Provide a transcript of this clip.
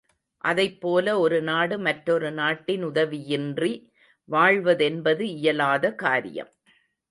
அதைப் போல ஒரு நாடு மற்றொரு நாட்டின் உதவியின்றி வாழ்வதென்பது இயலாத காரியம்.